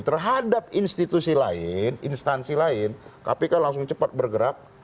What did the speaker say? terhadap institusi lain instansi lain kpk langsung cepat bergerak